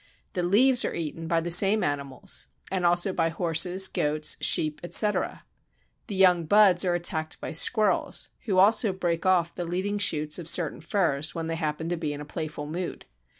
The leaves are eaten by the same animals and also by horses, goats, sheep, etc. The young buds are attacked by squirrels, who also break off the leading shoots of certain firs when they happen to be in a playful mood.